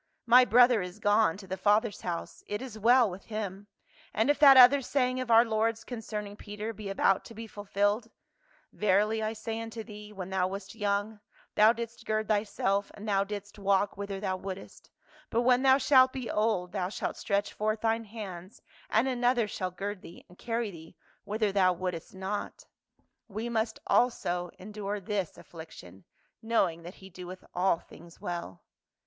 My brother is gone to the Father's house ; it is well with him. And if that other saying of our Lord's concerning Peter be about to be fulfilled, 'Verily I say unto thee, when thou wast young, thou didst gird thyself and thou didst walk whither thou wouldst, but when thou shalt be old, thou shalt stretch forth thy hands and another shall gird thee and carry thee whither thou wouldst not,' 256 PA UL. we must also endure this affliction, knowing that he doeth all things well."